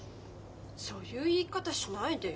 そういう言い方しないでよ。